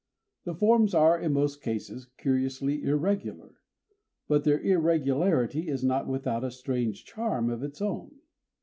The forms are, in most cases, curiously irregular; but their irregularity is not without a strange charm of its own.